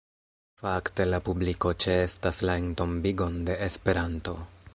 Fakte la publiko ĉeestas la entombigon de Esperanto.